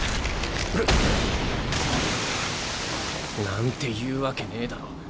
うっ！なんて言うわけねぇだろ。